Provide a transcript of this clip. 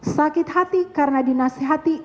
sakit hati karena dinasihati